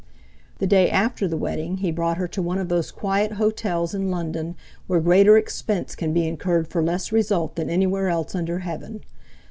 The day after the wedding he brought her to one of those quiet hotels in London where greater expense can be incurred for less result than anywhere else under heaven.